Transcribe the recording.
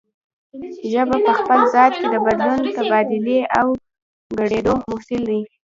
ژبه په خپل ذات کې د بدلون، تبادلې او ګډېدو محصول دی